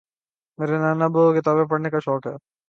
میرے نانا ابو کو کتابیں پڑھنے کا شوق ہے